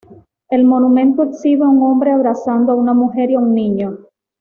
El monumento exhibe a un hombre abrazando a una mujer y a un niño.